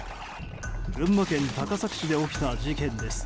群馬県高崎市で起きた事件です。